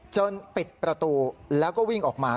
ปิดประตูแล้วก็วิ่งออกมา